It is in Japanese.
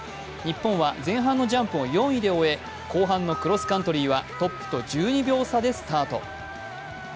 日本は前半のジャンプを４位で終え後半のクロスカントリーはトップと１２秒差でスタート。